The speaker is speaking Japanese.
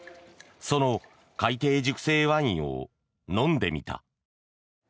その海底熟成ワインを飲んでみた。